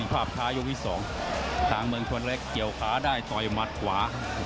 อีกภาพค้ายกว่าที่สองทางเมืองคนแรกเกี่ยวค้าได้ต่อยมัดขวา